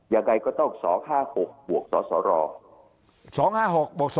ยังไงก็ไม่ยุติครับยังไงก็ต้อง๒๕๖บวกสร